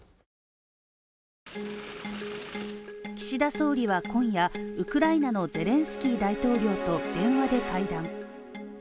岸田総理は今夜、ウクライナのゼレンスキー大統領と電話で会談。